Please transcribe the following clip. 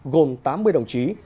gồm tám mươi đồng chí